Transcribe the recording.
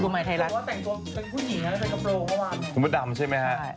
หรือว่าแต่งตัวเป็นผู้หญิงเป็นกระโปรว์เมื่อวานนี้กลุ่มประดำใช่ไหมฮะ